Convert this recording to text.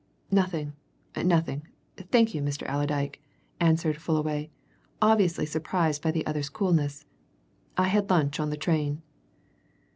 "Nothing, nothing, thank you, Mr. Allerdyke," answered Fullaway, obviously surprised by the other's coolness. "I had lunch on the train."